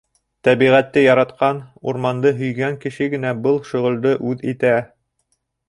Тәбиғәтте яратҡан, урманды һөйгән кеше генә был шөғөлдө үҙ итә.